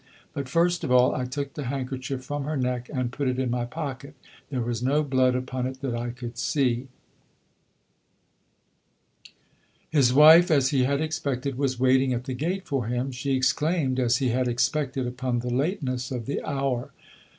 But first of all I took the handkerchief from her neck and put it in my pocket. There was no blood upon it, that I could see." His wife, as he had expected, was waiting at the gate for him. She exclaimed, as he had expected, upon the lateness of the hour.